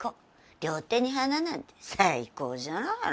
両手に花なんて最高じゃないの。